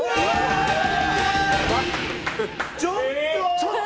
ちょっと！